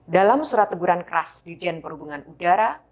dalam surat teguran keras dijen perhubungan udara